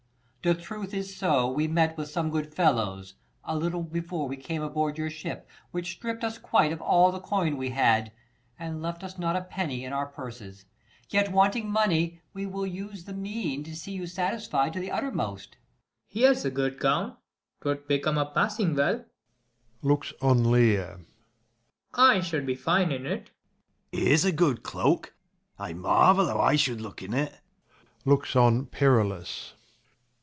The truth is so, we met with some good fellows, 5 A little before we came aboard your ship, Which stripp'd us quite of all the coin we had, And left us not a penny in our purses : Yet wanting money, we will use the mean, 9 To see you satisfied to the uttermost. First Mar. Here's a good gown ; 'twould become me pass ing well, [Looks on Leir. I should be fine in it. Second Mar. Here's a good cloak, I marvel how I should look in it. [Looks on Perillus.